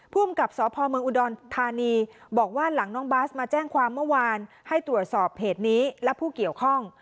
ภูมิกับสพเมืองอุดรธานีบอกว่าหลังน้องบาสมาแจ้งความเมื่อวานให้ตรวจสอบเพจนี้และผู้เกี่ยวข้อง